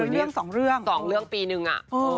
เรื่องสองเรื่องสองเรื่องปีหนึ่งอ่ะเออ